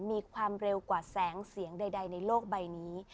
มีความเร็วกว่าแสงเสียงใดในโลกใบนี้